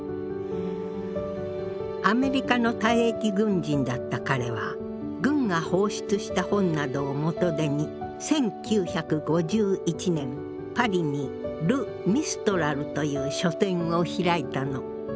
アメリカの退役軍人だった彼は軍が放出した本などを元手に１９５１年パリにル・ミストラルという書店を開いたの。